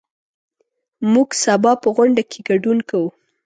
موږ سبا په غونډه کې ګډون کوو.